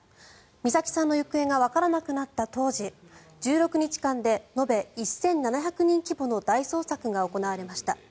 美咲さんの行方がわからなくなった当時１６日間で延べ１７００人規模の大捜索が行われました。